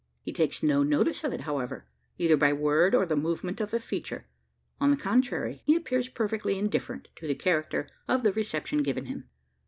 He takes no notice of it however either by word, or the movement of a feature. On the contrary, he appears perfectly indifferent to the character of the reception given him.